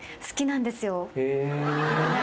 好きなんですよ。